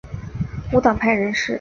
无党派人士。